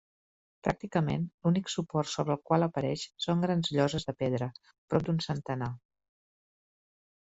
Pràcticament, l'únic suport sobre el qual apareix són grans lloses de pedra, prop d'un centenar.